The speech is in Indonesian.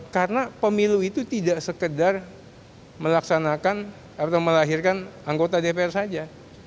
karena pemilu itu tidak sekedar melaksanakan atau melahirkan anggota dpr saja